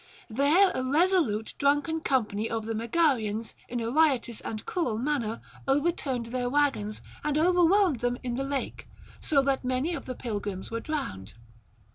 There a resolute drunken company of the Megarians in a riotous and cruel manner overturned their wagons, and overwhelmed them in the lake ; so that many of the pilgrims were drowned.